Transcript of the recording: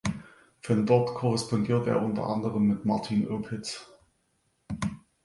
Von dort korrespondierte er unter anderem mit Martin Opitz.